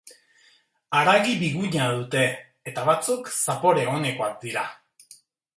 Haragi biguna dute eta batzuk zapore onekoak dira.